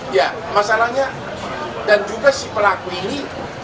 ya masalahnya dan juga si pelaku ini